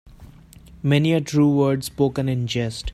Many a true word spoken in jest.